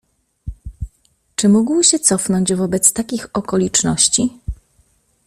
Czy mógł się cofnąć wobec takich okoliczności?